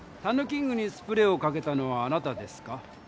キングにスプレーをかけたのはあなたですか？